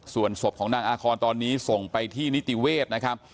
ส่วนศพของนางอาคอนตอนนี้ส่งไปที่นิติเวศนะครับ